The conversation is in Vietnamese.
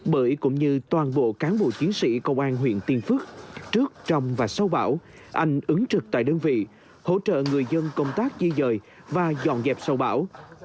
bởi cũng như toàn bộ cán bộ chiến sĩ công an huyện tiên phước trước trong và sau bão anh ứng trực tại đơn vị hỗ trợ người dân công tác di dời và dọn dẹp sau bão